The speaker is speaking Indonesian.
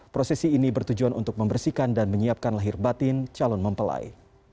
prosesi ini bertujuan untuk membersihkan dan menyiapkan lahir batin calon mempelai